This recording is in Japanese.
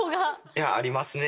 いやありますね。